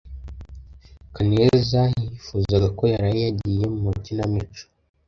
Kaneza yifuzaga ko yaraye yagiye mu ikinamico.